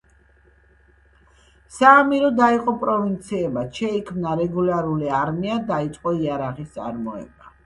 საამირო დაიყო პროვინციებად, შეიქმნა რეგულარული არმია, დაიწყო იარაღის წარმოება.